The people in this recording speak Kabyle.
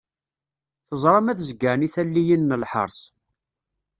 Teẓram ad zeggren i talliyin n lḥers.